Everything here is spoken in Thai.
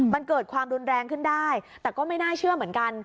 มันเกิดความรุนแรงขึ้นได้แต่ก็ไม่น่าเชื่อเหมือนกัน